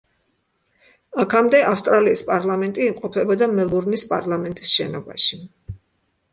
აქამდე, ავსტრალიის პარლამენტი იმყოფებოდა მელბურნის პარლამენტის შენობაში.